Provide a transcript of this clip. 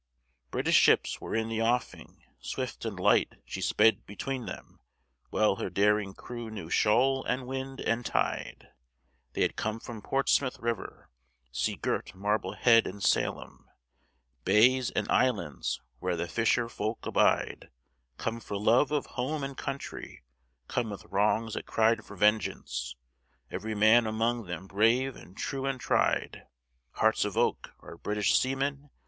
British ships were in the offing; Swift and light she sped between them, Well her daring crew knew shoal and wind and tide; They had come from Portsmouth river, Sea girt Marblehead and Salem, Bays and islands where the fisher folk abide; Come for love of home and country, Come with wrongs that cried for vengeance, Every man among them brave and true and tried. "Hearts of oak" are British seamen?